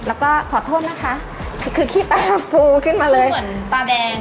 แล้วก็ขอโทษนะคะคือขี้ตาฟูขึ้นมาเลยเหมือนตาแดง